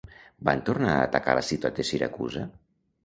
Van tornar a atacar la ciutat de Siracusa?